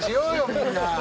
みんな。